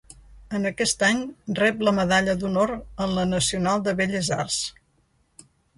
En aquest any, rep la Medalla d'Honor en la Nacional de Belles arts.